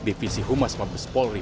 divisi humas mabes polri